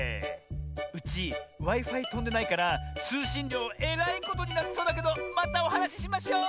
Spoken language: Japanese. うちＷｉ−Ｆｉとんでないからつうしんりょうえらいことになりそうだけどまたおはなししましょう！